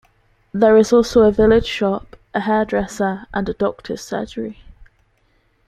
There is also a village shop, a hairdresser and a doctors' surgery.